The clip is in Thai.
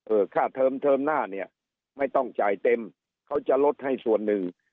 ค่าเทอมเทอมหน้าเนี่ยไม่ต้องจ่ายเต็มเขาจะลดให้ส่วนหนึ่ง